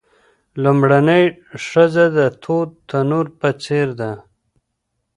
لومړنۍ ښځه د تود تنور په څیر ده.